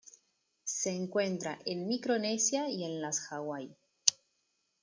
Se encuentra en Micronesia y en las Hawaii.